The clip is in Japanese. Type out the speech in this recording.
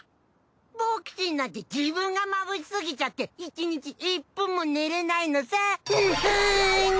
僕ちんなんて自分がまぶしすぎちゃって１日１分も寝れないのさフッフン！